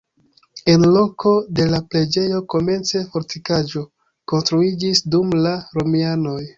En loko de la preĝejo komence fortikaĵo konstruiĝis dum la romianoj.